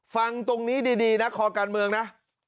ฟังตรงนี้ดีนะคอการเมืองนะ